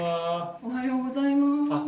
おはようございます。